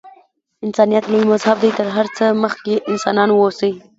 انسانیت لوی مذهب دی. تر هر څه مخکې انسانان اوسئ.